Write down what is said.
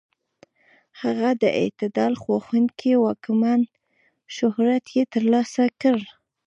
هغه د اعتدال خوښونکي واکمن شهرت یې تر لاسه کړ.